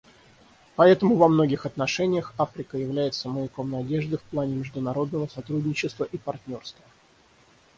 Поэтому во многих отношениях Африка является маяком надежды в плане международного сотрудничества и партнерства.